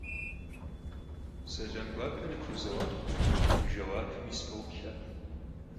Selam guape nıpxuzoğeh, vui jjeuapmi sıpoplhe ,